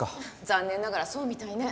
残念ながらそうみたいね。